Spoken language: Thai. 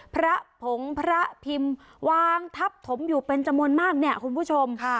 พระผงพระพิมพ์วางทับถมอยู่เป็นจำนวนมากเนี่ยคุณผู้ชม